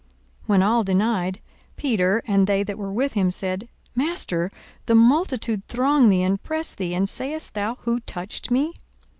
When all denied, Peter and they that were with him said, Master, the multitude throng thee and press thee, and sayest thou, Who touched me?